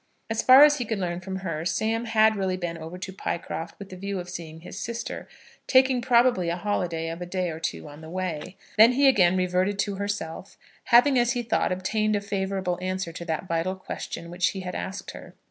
As far as he could learn from her, Sam had really been over to Pycroft with the view of seeing his sister, taking probably a holiday of a day or two on the way. Then he again reverted to herself, having as he thought obtained a favourable answer to that vital question which he had asked her.